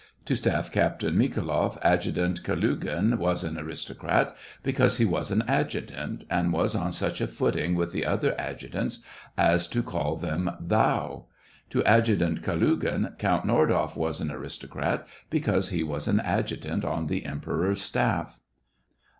To Staff Captain Mikhafloff, Adjutant Kalugin was an aristocrat^ because he was an adjutant, and was on such a footing with the other adjutants as to call them *'thou"! To Adjutant Kalugin, Count Nordoff was an aristo craty because he was an adjutant on the Emperor's staff.